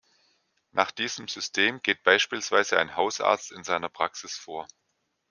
Nach diesem System geht beispielsweise ein Hausarzt in seiner Praxis vor.